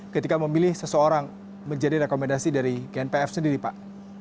ketika memilih seseorang menjadi rekomendasi dari gnpf sendiri pak